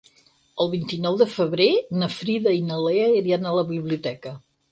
El vint-i-nou de febrer na Frida i na Lea iran a la biblioteca.